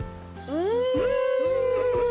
うん！